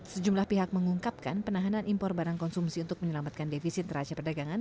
sejumlah pihak mengungkapkan penahanan impor barang konsumsi untuk menyelamatkan defisit neraca perdagangan